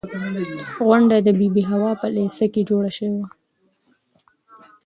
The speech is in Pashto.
غونډه د بي بي حوا په لېسه کې جوړه شوې وه.